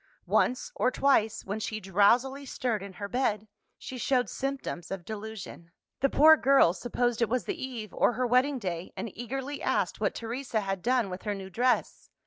Once or twice, when she drowsily stirred in her bed, she showed symptoms of delusion. The poor girl supposed it was the eve or her wedding day, and eagerly asked what Teresa had done with her new dress.